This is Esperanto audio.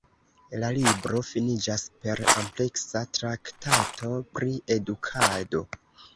La libro finiĝas per ampleksa traktato pri edukado.